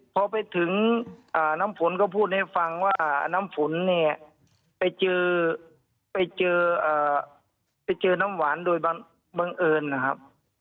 พอไปถึงน้ำฝนก็พูดให้ฟังว่าน้ำฝนเนี่ยไปเจอไปเจอน้ำหวานโดยบังเอิญนะครับ